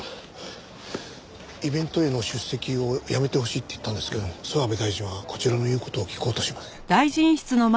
イベントへの出席をやめてほしいって言ったんですけど諏訪部大臣はこちらの言う事を聞こうとしません。